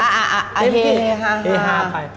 เป็นชีวิตเขหา